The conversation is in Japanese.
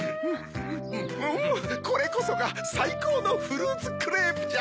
うむこれこそがさいこうのフルーツクレープじゃ。